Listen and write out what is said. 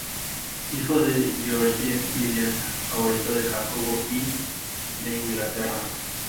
Hijo de George Villiers, favorito de Jacobo I de Inglaterra.